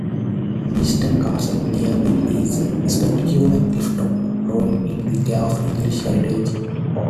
Beeston Castle nearby is a spectacular clifftop ruin in the care of English Heritage.